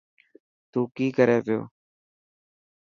تون ڪي ڪري پيو.